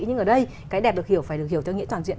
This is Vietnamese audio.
nhưng ở đây cái đẹp được hiểu phải được hiểu cho nghĩa toàn diện